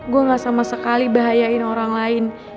gua ga sama sekali bahayain orang lain